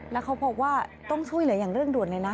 แล้วเขาบอกว่าต้องช่วยเหลืออย่างเร่งด่วนเลยนะ